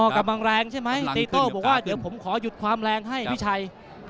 กำลังแรงใช่ไหมตีโต้บอกว่าเดี๋ยวผมขอหยุดความแรงให้พี่ชัย